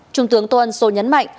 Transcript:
trung tướng tôn sô nhấn mạnh